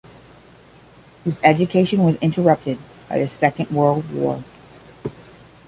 His education was interrupted by the Second World War.